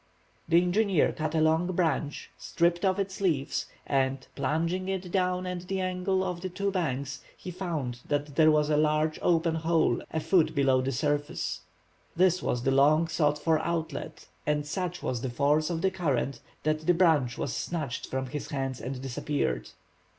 The engineer cut a long branch, stripped off its leaves, and, plunging it down at the angle of the two banks, he found that there was a large open hole a foot below the surface. This was the long sought for outlet, and such was the force of the current that the branch was snatched from his hands and disappeared.